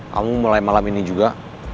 kamu mulai malam ini juga